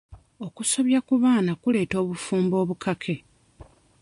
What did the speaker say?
Okusobya ku baana kuleeta obufumbo obukake.